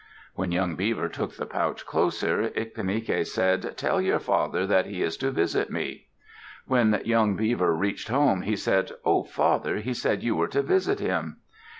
When young Beaver took the pouch closer, Ictinike said, "Tell your father that he is to visit me." When young Beaver reached home, he said, "Oh, father, he said you were to visit him."